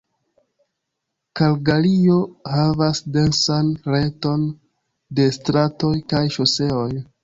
Kalgario havas densan reton de stratoj kaj ŝoseoj.